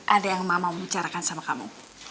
ada yang mama mau bicarakan sama kamu